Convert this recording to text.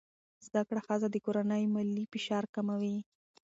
زده کړه ښځه د کورنۍ مالي فشار کموي.